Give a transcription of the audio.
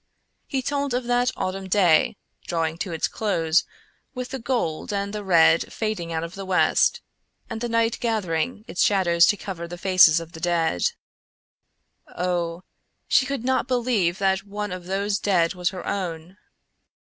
He told of that autumn day drawing to its close, with the gold and the red fading out of the west, and the night gathering its shadows to cover the faces of the dead. Oh! She could not believe that one of those dead was her own!